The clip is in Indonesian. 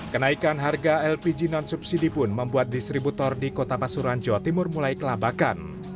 kenaikan harga lpg non subsidi pun membuat distributor di kota pasuruan jawa timur mulai kelabakan